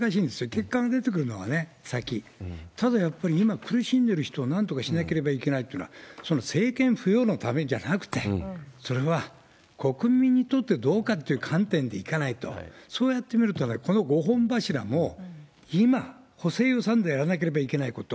結果が出てくるのは先、ただやっぱり苦しんでいる人をなんとかしなければいけないというのは、その政権浮揚のためじゃなくて、それは国民にとってどうかという観点でいかないと、そうやって見ると、この５本柱も、今、補正予算でやらなければいけないこと。